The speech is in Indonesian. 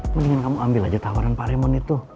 mendingan kamu ambil aja tawaran pak remon itu